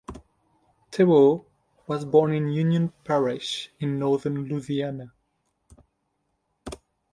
Terral was born in Union Parish in northern Louisiana.